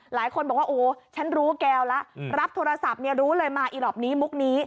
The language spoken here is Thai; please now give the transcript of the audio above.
หลายคนบอกว่าโอ้ฉันรู้แก้วแล้วรับโทรศัพท์เนี่ยรู้เลยมาอีรอบนี้มุกนี้